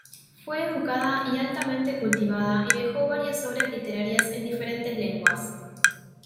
Fue educada y altamente cultivada y dejó varias obras literarias en diferentes lenguas.